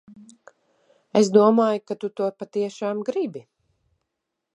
Es domāju, ka tu to patiešām gribi.